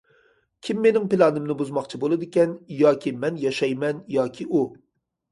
كىم مېنىڭ پىلانىمنى بۇزماقچى بولىدىكەن ياكى مەن ياشايمەن ياكى ئۇ.